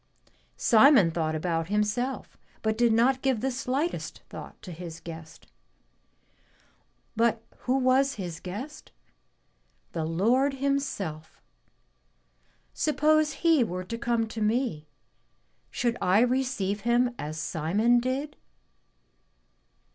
Simon thought about himself, but did not give the slightest thought to his guest. But who was his guest? The Lord Himself. Suppose He were to come to me, should I receive Him as Simon did?"